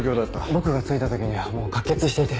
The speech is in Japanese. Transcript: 僕が着いた時にはもう喀血していて。